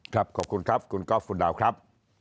ขอบคุณครับคุณก๊อฟคุณดาวครับ